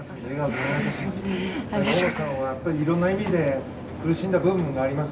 大本さんはいろんな意味で苦しんだ部分があります。